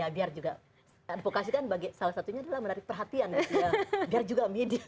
biar juga vokasi kan bagi salah satunya adalah menarik perhatian ya biar juga media gitu